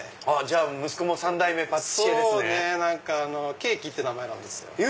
「ケイキ」って名前なんですよ。